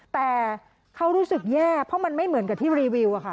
แต่เขารู้สึกแย่เพราะมันไม่เหมือนกับที่รีวิวอะค่ะ